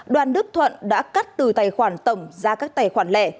đoàn đức thuận đã cắt từ tài khoản tổng ra các tài khoản lẻ